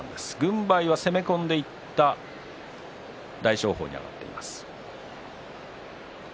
軍配は攻め込んでいった大翔鵬に上がっています。